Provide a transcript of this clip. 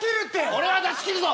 俺は出し切るぞ。